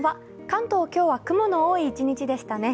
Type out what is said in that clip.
関東、今日は雲の多い一日でしたね。